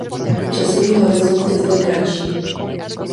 Časový horizont je zde kratší.